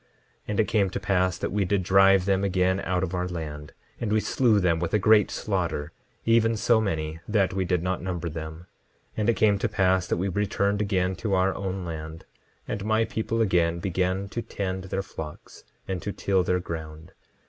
10:20 And it came to pass that we did drive them again out of our land; and we slew them with a great slaughter, even so many that we did not number them. 10:21 And it came to pass that we returned again to our own land, and my people again began to tend their flocks, and to till their ground.